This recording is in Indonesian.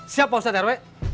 siap pak ustadz rw